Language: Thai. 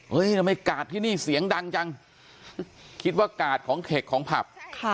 ทำไมกาดที่นี่เสียงดังจังคิดว่ากาดของเข็กของผับ